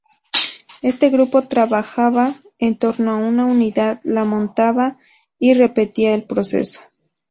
Este grupo trabajaba en torno a una unidad, la montaba, y repetía el proceso.